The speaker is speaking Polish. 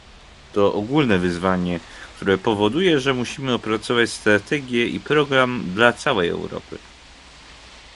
To ogólne wyzwanie, które powoduje, że musimy opracować strategię i program dla całej Europy